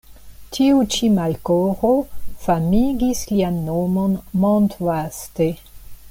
Tiu ĉi malkovro famigis lian nomon mondvaste.